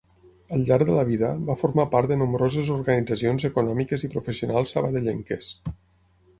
Al llarg de la vida, va formar part de nombroses organitzacions econòmiques i professionals sabadellenques.